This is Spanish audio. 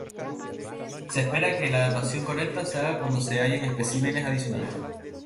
Se espera que la datación correcta se haga cuando se hallen especímenes adicionales.